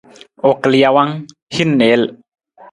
U kal jawang, hin niil.